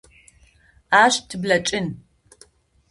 Ащ тыблэкӏын.